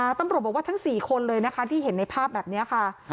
ตั้งแต่บำรบบอกว่าทั้ง๔คนเลยที่เห็นในภาพแบบนี้ค่ะ